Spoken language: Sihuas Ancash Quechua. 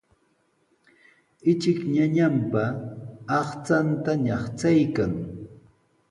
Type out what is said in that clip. Ichik ñañanpa aqchanta ñaqchaykan.